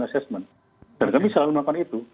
assessment dan kami selalu melakukan itu